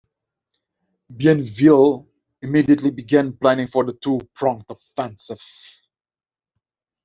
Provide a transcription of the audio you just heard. Bienville immediately began planning for a two-pronged offensive.